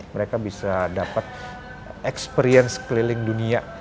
mereka bisa dapat experience keliling dunia